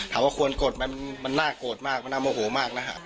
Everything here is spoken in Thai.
ถามว่าควรโกรธไหมมันน่าโกรธมากมันน่าโมโหมากนะฮะ